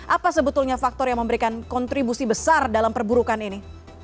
apa sebetulnya faktor yang memberikan kontribusi besar dalam perburukan ini